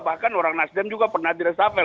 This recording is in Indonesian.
bahkan orang nasdem juga pernah di resapel